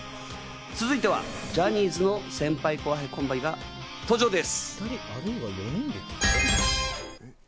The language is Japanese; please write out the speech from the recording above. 続いてはジャニーズの先輩後輩が登場です。